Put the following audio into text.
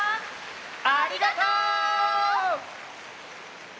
ありがとう！